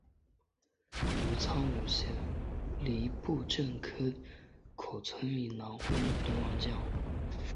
于苍梧县梨埠镇料口村以南汇入东安江。